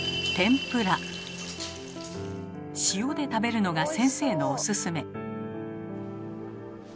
塩で食べるのが先生のおすすめ。